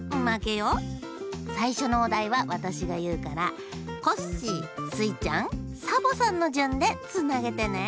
さいしょのおだいはわたしがいうからコッシースイちゃんサボさんのじゅんでつなげてね！